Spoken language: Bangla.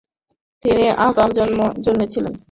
তিনি আগাম জন্মেছিলেন।